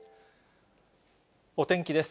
お天気です。